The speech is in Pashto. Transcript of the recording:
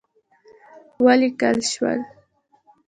وليکل شول: